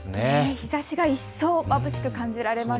日ざしが一層まぶしく感じました。